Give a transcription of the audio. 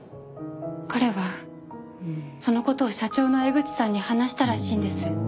彼はその事を社長の江口さんに話したらしいんです。